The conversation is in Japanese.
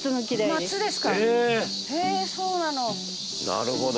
なるほど。